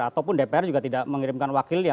ataupun dpr juga tidak mengirimkan wakilnya